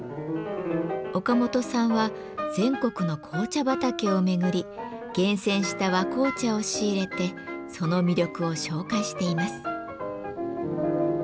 岡本さんは全国の紅茶畑を巡り厳選した和紅茶を仕入れてその魅力を紹介しています。